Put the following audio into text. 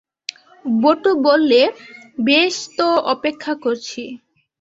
বটু বললে, বেশ তো অপেক্ষা করছি।